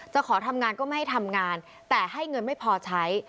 ขอทำงานก็ไม่ให้ทำงานแต่ให้เงินไม่พอใช้